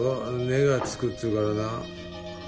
根がつくっていうからな。